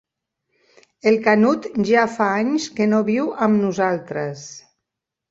El Canut ja fa anys que no viu amb nosaltres.